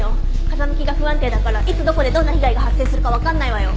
風向きが不安定だからいつどこでどんな被害が発生するかわかんないわよ。